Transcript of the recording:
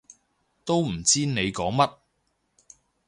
都唔知你講乜